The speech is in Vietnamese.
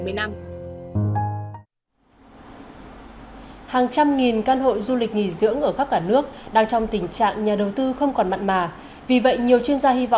hàng trăm nghìn căn hộ du lịch nghỉ dưỡng ở khắp cả nước đang trong tình trạng nhà đầu tư không còn mặn mà